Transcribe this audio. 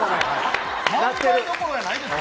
漫才どころやないですよ。